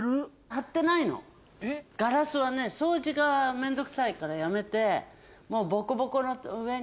ガラスはね掃除が面倒くさいからやめてもうボコボコの上に。